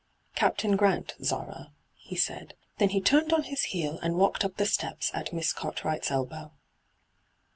' Captain Grant, Zara,' he said. Then he turned on his heel and walked up the steps at Miss Cartwright's elbow.